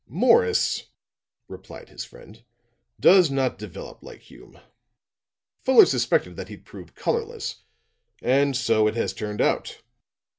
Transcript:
"Morris," replied his friend, "does not develop like Hume. Fuller suspected that he'd prove colorless, and so it has turned out.